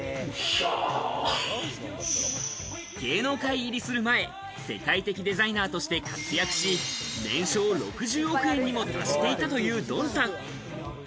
芸能界入りする前、世界的デザイナーとして活躍し、年商６０億円にも達していたというドンさん。